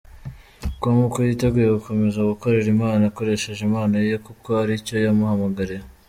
com ko yiteguye gukomeza gukorera Imana akoresheje impano ye kuko aricyo yahamagariwe.